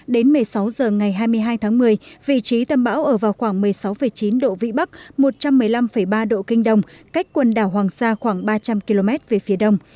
đến một mươi sáu h ngày hai mươi hai tháng một mươi vị trí tâm bão ở vào khoảng một mươi sáu chín độ vĩ bắc một trăm một mươi năm ba độ kinh đông cách quần đảo hoàng sa khoảng ba trăm linh km về phía đông